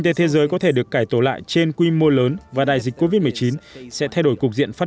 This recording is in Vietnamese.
tế thế giới có thể được cải tổ lại trên quy mô lớn và đại dịch covid một mươi chín sẽ thay đổi cục diện phát